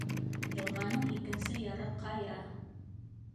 Йылғаның икенсе яры - ҡая.